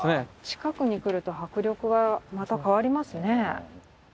近くに来ると迫力がまた変わりますね。